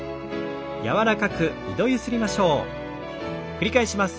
繰り返します。